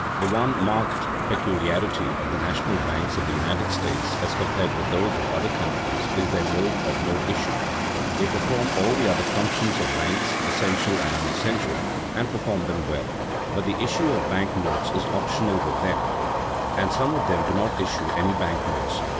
_ The one marked peculiarity of the national banks of the United States as compared with those of other countries, is their mode of note issue. They perform all the other functions of banks, essential and unessential, and perform them well, but the issue of bank notes is optional with them, and some of them do not issue any bank notes.